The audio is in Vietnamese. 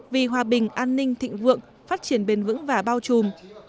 vì hòa bình an ninh thịnh vượng phát triển bền vững và bao trùm